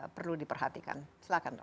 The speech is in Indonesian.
perlu diperhatikan silahkan dok